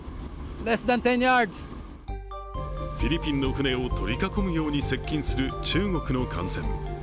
フィリピンの船を取り囲むように接近する中国の艦船。